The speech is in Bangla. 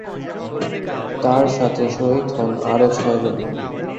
তার সাথে শহীদ হন আরো ছয়জন।